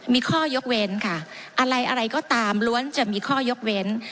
มีข้อยกเว้นค่ะอะไรอะไรก็ตามล้วนจะมีข้อยกเว้น